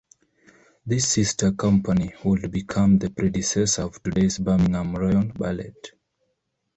This sister company would become the predecessor of today's Birmingham Royal Ballet.